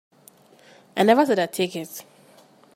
I never said I'd take it.